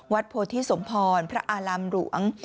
โพธิสมพรพระอารามหลวง